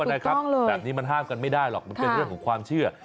นะครับแบบนี้มันห้ามกันไม่ได้หรอกมันเป็นเรื่องของความเชื่อ